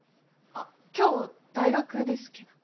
今日大学ですけど。